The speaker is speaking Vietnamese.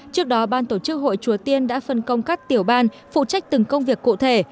trước đó ban tổ chức hội chùa tiên đã phân công các tiểu ban phụ trách từng công việc cụ thể